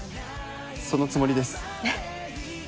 そのつもりです